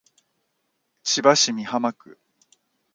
千葉市美浜区